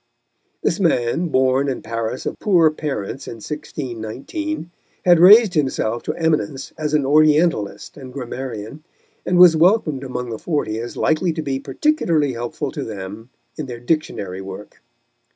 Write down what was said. This man, born in Paris of poor parents in 1619, had raised himself to eminence as an Orientalist and grammarian, and was welcomed among the Forty as likely to be particularly helpful to them in their Dictionary work.